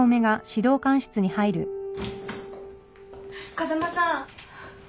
風間さん。